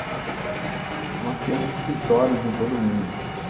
Nós temos escritórios em todo o mundo.